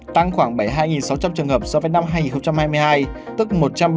tăng khoảng bảy mươi hai sáu trăm linh trường hợp so với năm hai nghìn hai mươi hai tức một trăm ba mươi